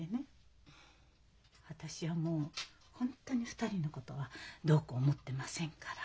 私はもう本当に２人のことはどうこう思ってませんから。